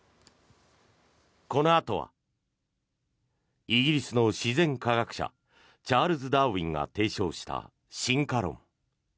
このあとはイギリスの自然科学者チャールズ・ダーウィンが提唱した進化論。